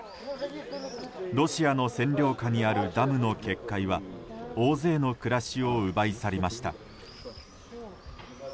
ロシアの占領下にあるダムの決壊は大勢の暮らしを奪い去りました。